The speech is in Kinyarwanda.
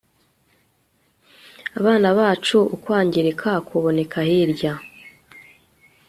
abana bacu ukwangirika kuboneka hirya